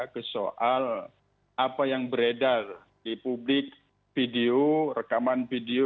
ke soal apa yang beredar di publik video rekaman video